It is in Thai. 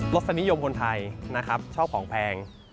สนิยมคนไทยนะครับชอบของแพง